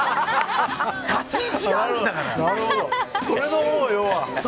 立ち位置があるんだからって。